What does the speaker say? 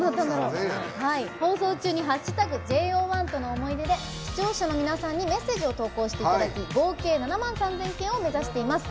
放送中に「＃ＪＯ１との思い出」で視聴者の皆さんにメッセージを投稿していただき合計７万３，０００件を目指しています。